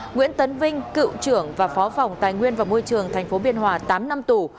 nguyễn tấn vinh cựu trưởng và phó phòng tài nguyên và môi trường tp biên hòa tám năm tù